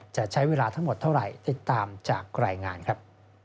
จะใช้เวลาทั้งหมดเท่าไหร่ติดตามจากรายงานครับ